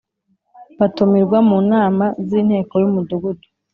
Batumirwa mu nama z’Inteko y’Umudugudu